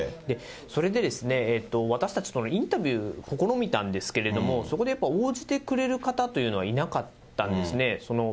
それで私たちもインタビュー、試みたんですけれども、そこでやっぱ応じてくれる方っていうのはいなかったんですね。